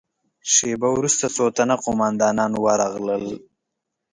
شېبه وروسته څو تنه قوماندانان ورغلل.